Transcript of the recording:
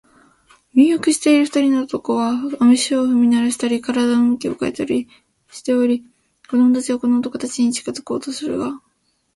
入浴している二人の男は、足を踏みならしたり、身体を向き変えたりしており、子供たちはこの男たちに近づこうとするが、